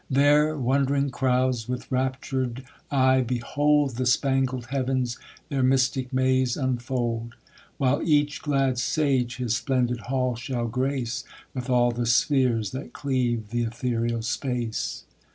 There wond'ring crowds, with raptur'd eye, behold The spangled heav'ns their mystic maze unfold ; While each glad sage his splendid hall shall grace, With all the spheres that cleave th' ethereal space.